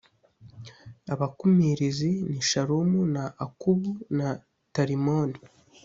Abakumirizi ni shalumu na akubu na talimoni